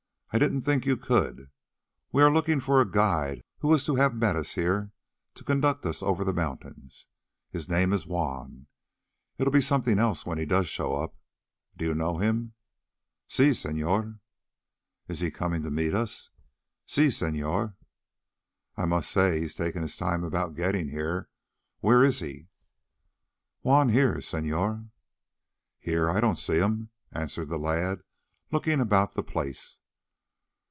I didn't think you could. We are looking for a guide who was to have met us here to conduct us over the mountains. His name is Juan. It'll be something else when he does show up. Do you know him?" "Si, señor." "Isn't he coming to meet us?" "Si, señor." "Well, I must say he's taking his time about getting here. Where is he?" "Juan here, señor." "Here? I don't see him," answered the lad, looking about the place.